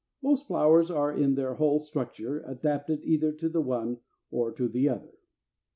Most flowers are in their whole structure adapted either to the one or to the other. 334.